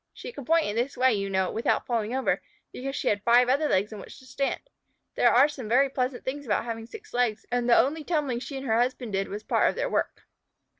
She could point in this way, you know, without falling over, because she had five other legs on which to stand. There are some very pleasant things about having six legs, and the only tumbling she and her husband did was part of their work.